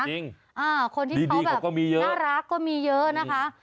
จริงดีเขาก็มีเยอะน่ารักก็มีเยอะนะคะ